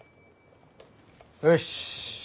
よし。